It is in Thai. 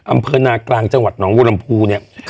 อำเภอนากลางจังหวัดหนองบัวลำพูเนี่ย